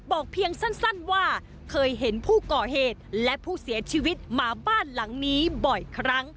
เพียงสั้นว่าเคยเห็นผู้ก่อเหตุและผู้เสียชีวิตมาบ้านหลังนี้บ่อยครั้ง